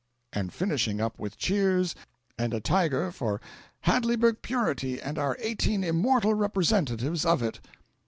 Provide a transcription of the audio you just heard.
and finishing up with cheers and a tiger for "Hadleyburg purity and our eighteen immortal representatives of it."